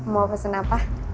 mau pesen apa